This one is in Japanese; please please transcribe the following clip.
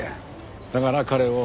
だから彼を。